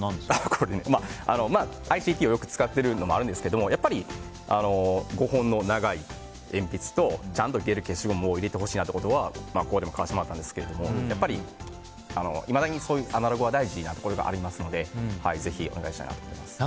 これ、ＩＣＴをよく使っているのもあるんですけど５本の長い鉛筆とちゃんと消える消しゴムを入れてほしいなってことはここでも書かせてもらったんですけどいまだにそういうアナログは大事なところがありますのでぜひお願いしたいなと思います。